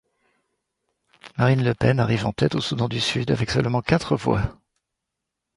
Marine Le Pen arrive en tête au Soudan du Sud, avec seulement quatre voix.